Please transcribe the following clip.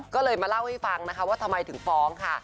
ก็เลยมาเล่าให้ฟังนะคะว่าทำไมถึงฟ้องค่ะ